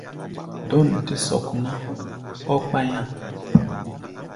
Dɔ̂n tɛ́ sɔk ná, ɔ́ kpá̧yá̧.